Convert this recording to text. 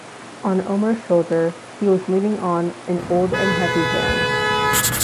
On Omer’s shoulder, he was leaning on an old and heavy hand.